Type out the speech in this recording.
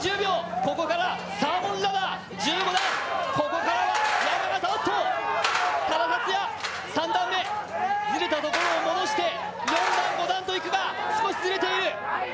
ここからサーモンラダー１５段、ここからは山形の星、多田竜也ずれたところを戻した、４段、５段といくが少しずれている。